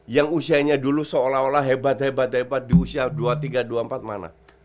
yang usianya dulu seolah olah hebat hebat hebat di usia dua tiga dua puluh empat mana